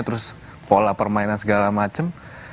terus pola permainan segala macam